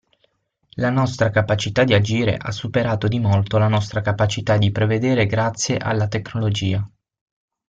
La nostra capacità di agire ha superato di molto la nostra capacità di prevedere grazie alla tecnologia.